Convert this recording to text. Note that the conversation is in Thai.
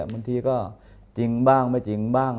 บางทีก็จริงบ้างไม่จริงบ้าง